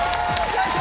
最高！